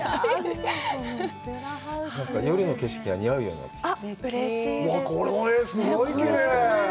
夜の景色が似合うようになってきた。